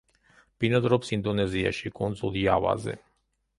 ბინადრობს ინდონეზიაში, კუნძულ იავაზე.